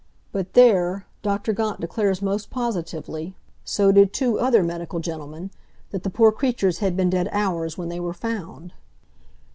"But, there, Dr. Gaunt declares most positively—so did two other medical gentlemen—that the poor creatures had been dead hours when they was found.